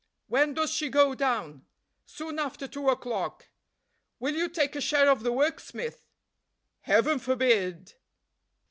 "When does she go down?" "Soon after two o'clock." "Will you take a share of the work, Smith?" "Heaven forbid!"